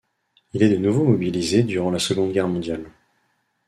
Il est de nouveau mobilisé durant la Seconde Guerre mondiale.